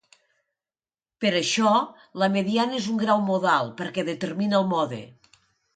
Per això la mediant és un grau modal, perquè determina el mode.